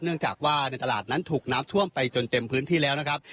เนื่องจากว่าในตลาดนั้นถูกน้ำท่วมไปจนเต็มพื้นที่แล้วนะครับ